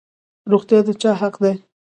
روغتیا د چا حق دی؟